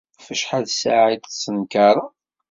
Ɣef wacḥal ssaεa i d-tettnekkareḍ?